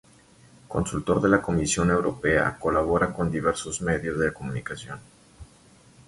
Consultor de la Comisión Europea, colabora con diversos medios de comunicación.